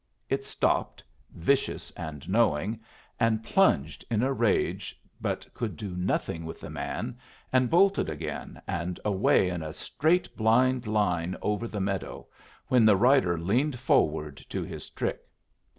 It stopped, vicious and knowing, and plunged in a rage, but could do nothing with the man, and bolted again, and away in a straight blind line over the meadow, when the rider leaned forward to his trick.